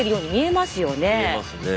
見えますね。